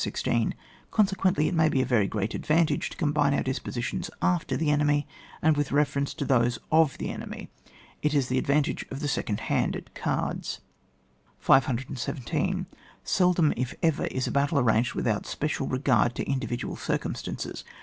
Consequently, it must be a very great advantage to combine our disposi tions after the enemy, and with refer ence to those of the enemy, it is the ad vantage of the second hand, at cards. 517. Seldom, if ever, is a battle ar ranged without special regard to indivi dual circumstances.